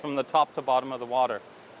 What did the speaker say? yaitu dari atas ke bawah air